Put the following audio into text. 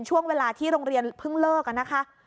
ช่วงเวลาที่โรงเรียนเพิ่งเลิกนะคะ